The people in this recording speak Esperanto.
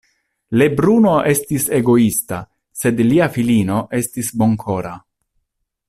Lebruno estis egoista, sed lia filino estis bonkora.